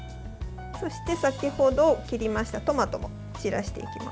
そして、先程切りましたトマトを散らしていきます。